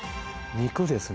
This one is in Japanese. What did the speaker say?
肉ですね。